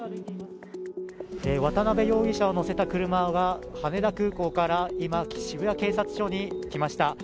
渡辺容疑者を乗せた車は羽田空港から今、渋谷警察署に来ました。